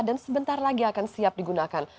dan sebentar lagi akan siap digunakan